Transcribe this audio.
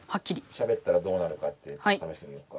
しゃべったらどうなるかってためしてみようか。